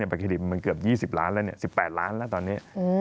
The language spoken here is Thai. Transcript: ประคิริตมันเกือบ๒๐ล้านแล้ว๑๘ล้านแล้วตอนนี้